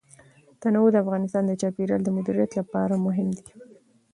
تنوع د افغانستان د چاپیریال د مدیریت لپاره مهم دي.